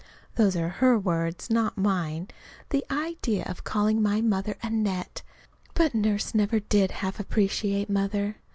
(Those are her words, not mine. The idea of calling my mother a net! But Nurse never did half appreciate Mother.)